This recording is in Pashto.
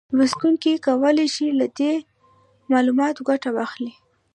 لوستونکي کولای شي له دې معلوماتو ګټه واخلي